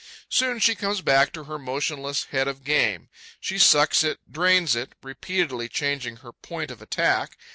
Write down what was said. Soon she comes back to her motionless head of game: she sucks it, drains it, repeatedly changing her point of attack.